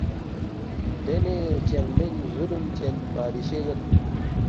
دینے چنگمین ظُلم چن بادشے یود